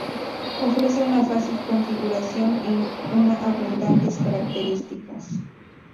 Ofrece una fácil configuración y una abundantes características.